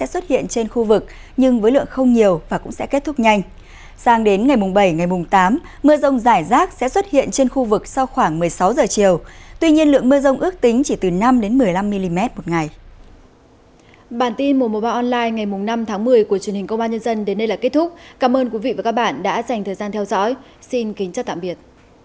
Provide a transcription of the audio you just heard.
xin kính chào tạm biệt